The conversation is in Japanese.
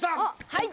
はい！